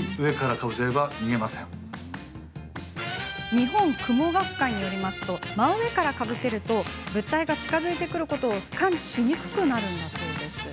日本蜘蛛学会によると真上からかぶせると物体が近づいていることを感知しにくくなるそうです。